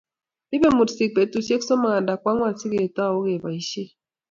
Ibei mursik betushe somok anda ko ang'wan si ketou keboisie.